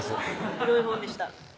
黒い本でした